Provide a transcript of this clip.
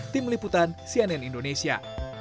tim liputan cnn indonesia